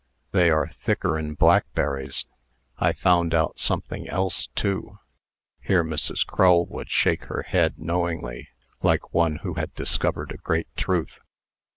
They are thicker'n blackberries. I found out something else, too." Here Mrs. Crull would shake her head knowingly, like one who had discovered a great truth.